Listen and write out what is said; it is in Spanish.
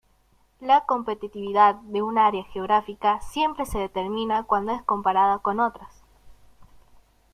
La competitividad de un área geográfica siempre se determina cuando es comparada con otras.